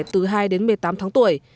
từ hai đến một mươi tám tháng tuổi